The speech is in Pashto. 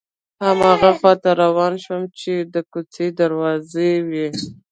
هماغه خواته روان شوم چې د کوڅې دروازې وې.